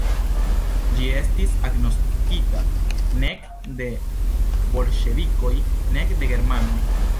Ĝi estis agnoskita nek de bolŝevikoj, nek de germanoj.